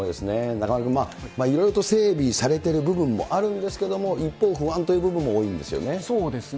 中丸君、いろいろと整備されている部分もあるんですけれども、一方不安という部分も多いんですそうですね。